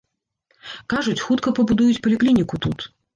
Кажуць, хутка пабудуць паліклініку тут.